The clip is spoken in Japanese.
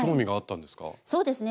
そうですね。